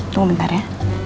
tunggu bentar ya